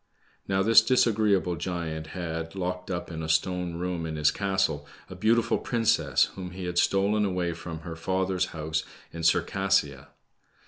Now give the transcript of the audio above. Now this disagreeable giant had, locked up in a stone room in his castle, a beautiful princess whom he had stolen away from her father's house in Circassia.